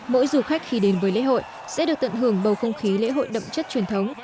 mỗi du khách khi đến với lễ hội sẽ được tận hưởng bầu không khí lễ hội đậm chất truyền thống